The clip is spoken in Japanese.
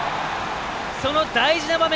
その大事な場面